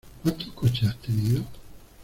¿Cuántos coches has tenido?